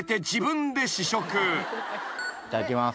いただきます。